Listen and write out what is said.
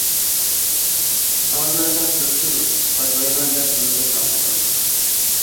سېتىۋالىمەن دەپ بىر كۈن، قاچىلايمەن دەپ بىر كۈن ساقلىدىم.